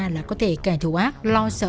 là có thể kẻ thù ác lo sợ